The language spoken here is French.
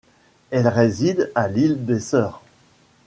Elle réside à l'Île des Sœurs.